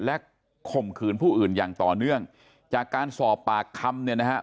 และข่มขืนผู้อื่นอย่างต่อเนื่องจากการสอบปากคำเนี่ยนะฮะ